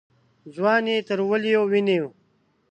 ځوان يې تر وليو ونيو.